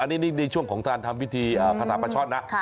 อันนี้ในช่วงของการทำพิธีคาถาปลาช่อนนะ